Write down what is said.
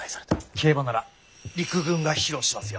競馬なら陸軍が披露しますよ。